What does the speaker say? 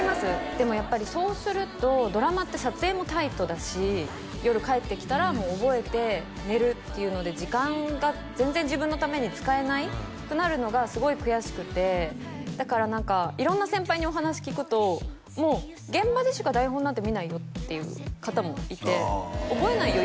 でもやっぱりそうするとドラマって撮影もタイトだし夜帰ってきたらもう覚えて寝るっていうので時間が全然自分のために使えなくなるのがすごい悔しくてだから何か色んな先輩にお話聞くともう現場でしか台本なんて見ないよっていう方もいて覚えないよ